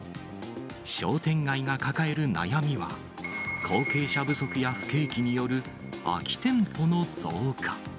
商店街が抱える悩みは、後継者不足や不景気による空き店舗の増加。